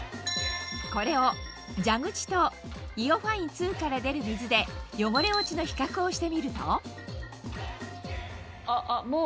これを蛇口とＩＯファイン２から出る水で汚れ落ちの比較をしてみるとあっあっもう。